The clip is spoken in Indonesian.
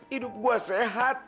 hidup gua sehat